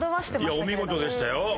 いやお見事でしたよ。